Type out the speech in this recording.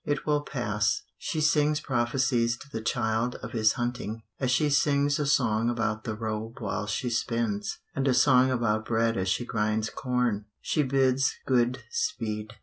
It will pass. She sings prophecies to the child of his hunting, as she sings a song about the robe while she spins, and a song about bread as she grinds corn. She bids good speed.